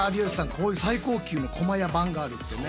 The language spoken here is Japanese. こういう最高級の駒や盤があるってね。